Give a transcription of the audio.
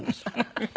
フフフフ。